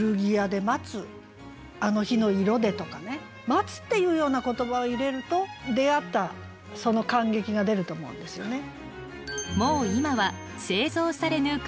「待つ」っていうような言葉を入れると出会ったその感激が出ると思うんですよね。